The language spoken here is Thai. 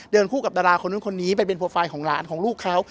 คู่กับดาราคนนู้นคนนี้ไปเป็นโปรไฟล์ของหลานของลูกเขา